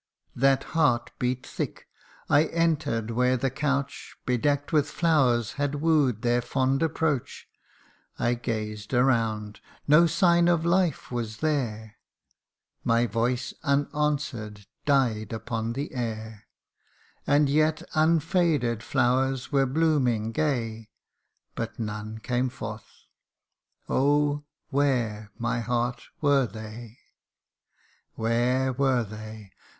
That heart beat thick I enter'd where the couch Bedeck 'd with flowers had woo'd their fond approach ; I gazed around no sign of life was there ; My voice unanswer'd died upon the air ; The yet unfaded flowers were blooming gay But none came forth oh ! where, my heart, were they ? Where were they